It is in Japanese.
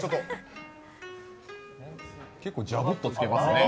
結構じゃぶっとつけますね。